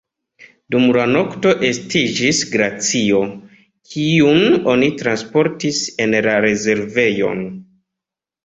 Dum la nokto estiĝis glacio, kiun oni transportis en la rezervejon.